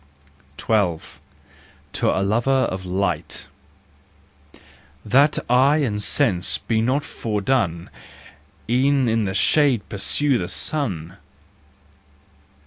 12 . To a Lover of Light That eye and sense be not fordone E'en in the shade pursue the sun!